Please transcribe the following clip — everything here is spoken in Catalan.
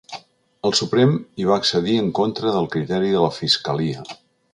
El Suprem hi va accedir en contra del criteri de la fiscalia.